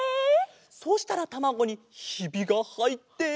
そうしたらたまごにひびがはいって。